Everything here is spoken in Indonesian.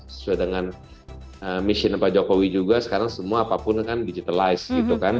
sesuai dengan mission pak jokowi juga sekarang semua apapun kan digitalized gitu kan